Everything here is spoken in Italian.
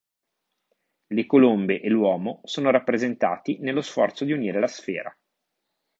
Le colombe e l'uomo sono rappresentati nello sforzo di unire la sfera.